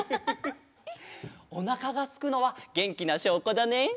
おなかがすくのはげんきなしょうこだね。